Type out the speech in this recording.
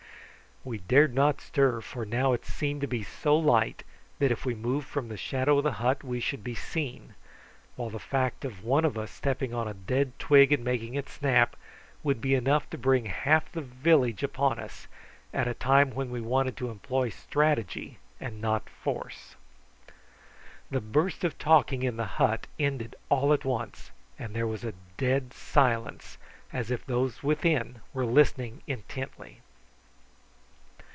We dared not stir, for now it seemed to be so light that if we moved from the shadow of the hut we should be seen, while the fact of one of us stepping upon a dead twig and making it snap would be enough to bring half the village upon us, at a time when we wanted to employ strategy and not force. The burst of talking in the hut ended all at once, and there was a dead silence, as if those within were listening intently.